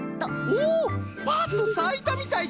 おおパッとさいたみたいじゃ！